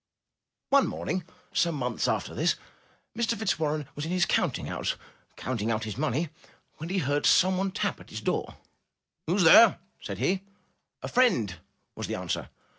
One morning, some months after this, Mr. Fitz warren was in his counting house, counting out his money, when he heard some one tap at his door. ^Who^s there?" said he. *'A friend,'' was the answer.